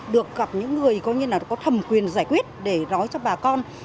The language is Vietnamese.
được gặp những người có như là có thẩm quyền giải quyết để nói cho bà con